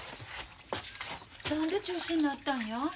何で中止になったんや？